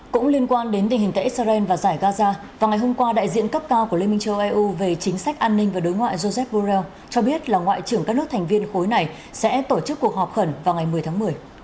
cũng liên quan đến tình hình tại israel và giải gaza vào ngày hôm qua đại diện cấp cao của liên minh châu âu về chính sách an ninh và đối ngoại josephor cho biết là ngoại trưởng các nước thành viên khối này sẽ tổ chức cuộc họp khẩn vào ngày một mươi tháng một mươi